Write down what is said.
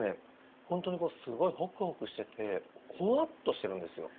ほんとにこうすごいホクホクしててフワッとしてるんですよ。